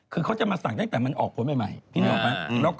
คือเขาจะมาสั่งตั้งแต่มันออกผลใหม่พี่นึกออกไหม